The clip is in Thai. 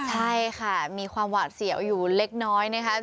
ใช่ค่ะมีความหวาดเสียวอยู่เล็กน้อยนะคะ